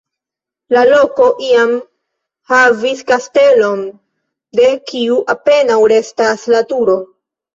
La loko, iam havis kastelon, de kiu apenaŭ restas la turo.